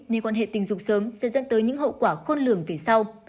nên quan hệ tình dục sớm sẽ dẫn tới những hậu quả khôn lường về sau